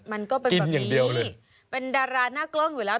มันก็เป็นสวรรคีย์เป็นดาราหน้าเกิ้ลอยู่แล้ว